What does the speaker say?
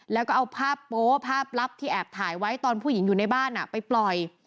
แล้วก็เอาภาพโป๊ภาพลับที่แอบถ่ายไว้ตอนผู้หญิงอยู่ในบ้านไปปล่อย